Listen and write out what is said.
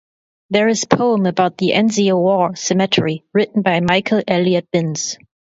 There is poem about the Anzio War Cemetery written by Michael Elliott-Binns.